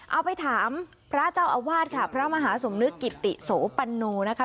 เอาไปถามพระเจ้าอาวาสค่ะพระมหาสมนึกกิติโสปันโนนะคะ